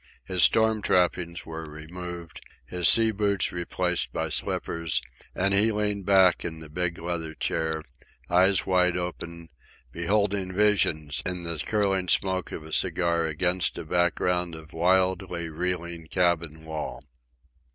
His storm trappings were removed, his sea boots replaced by slippers; and he leaned back in the big leather chair, eyes wide open, beholding visions in the curling smoke of a cigar against a background of wildly reeling cabin wall.